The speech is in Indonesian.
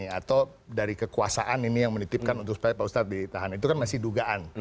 atau dari kekuasaan ini yang menitipkan untuk supaya pak ustadz ditahan itu kan masih dugaan